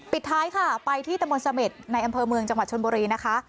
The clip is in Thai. ติดท้ายค่ะไปที่ตมนสเมษท์ในอัมเภอมืองจังหวัดชนโบรีนะคะ